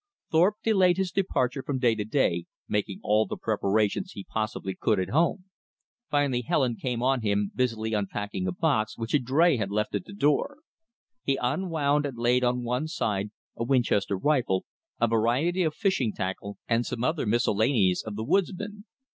Thorpe delayed his departure from day to day, making all the preparations he possibly could at home. Finally Helen came on him busily unpacking a box which a dray had left at the door. He unwound and laid one side a Winchester rifle, a variety of fishing tackle, and some other miscellanies of the woodsman.